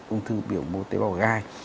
ung thư biểu mốt tế bào gai